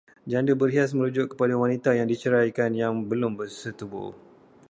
Janda berhias merujuk kepada wanita yang diceraikan yang belum bersetubuh